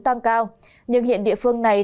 tăng cao nhưng hiện địa phương này